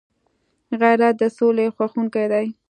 غیرت د سولي خوښونکی دی